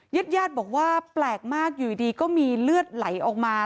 ญาติญาติบอกว่าแปลกมากอยู่ดีก็มีเลือดไหลออกมา